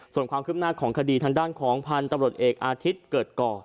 ส่วนความคืบหน้าของคดีทางด้านของพันธุ์ตำรวจเอกอาทิตย์เกิดก่อ